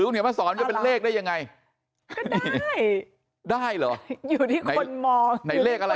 คุณเหนียวมาสอนก็เป็นเลขได้ยังไงก็ได้ได้เหรออยู่ที่คนมองในเลขอะไร